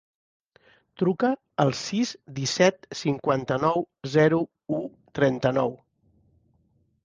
Truca al sis, disset, cinquanta-nou, zero, u, trenta-nou.